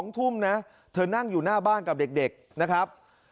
๒ทุ่มนะเธอนั่งอยู่หน้าบ้านกับเด็กนะครับ